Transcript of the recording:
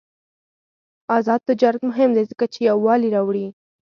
آزاد تجارت مهم دی ځکه چې یووالي راوړي.